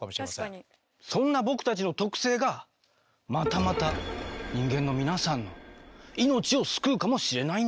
そんな僕たちの特性がまたまた人間の皆さんの命を救うかもしれないんだＧ。